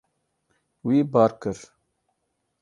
Wî bar kir.